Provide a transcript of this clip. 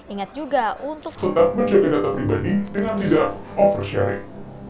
ingat juga untuk tetap mencari data pribadi dengan tidak oversight